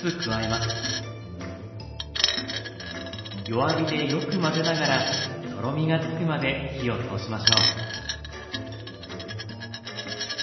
弱火でよく混ぜながらとろみがつくまで火を通しましょう。